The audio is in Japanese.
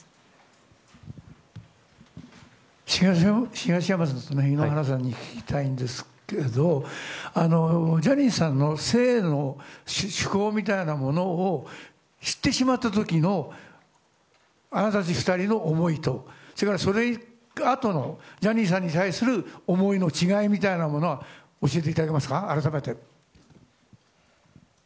東山さんと藤島さんに聞きたいんですけどジャニーさんの性の嗜好みたいなものを知ってしまった時のあなたたち２人の思いとそのあとのジャニーさんに対する思いの違いみたいなものを改めて教えていただけますか？